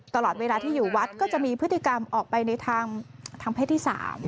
ตลอดเวลาที่อยู่วัดก็จะมีพฤติกรรมออกไปในทางเพศที่๓